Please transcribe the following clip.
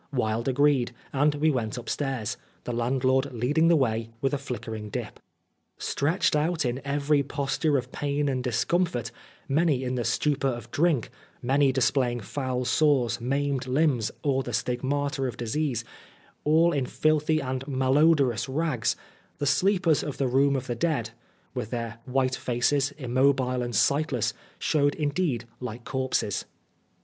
Wilde agreed, and we went upstairs, the landlord leading the way with a flickering dip. Stretched out in every posture of pain 96 Oscar Wilde and discomfort, many in the stupor of drink, many displaying foul sores, maimed limbs, or the stigmata of disease, all in filthy and malodorous rags, the sleepers of the Room of the Dead, with their white faces, immobile and sightless, showed indeed like corpses.